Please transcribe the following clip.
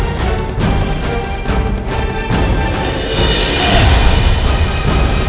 aku nggak akut